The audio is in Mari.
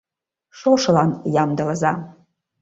ШОШЫЛАН ЯМДЫЛЫЗА!